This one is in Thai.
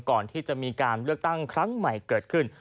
ก่อนที่จะมีการเลือกตั้งครั้งใหม่เกิดขึ้น